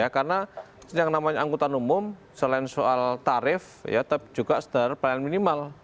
karena yang namanya anggota umum selain soal tarif ya tapi juga standar pelayanan minimal